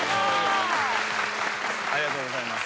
ありがとうございます。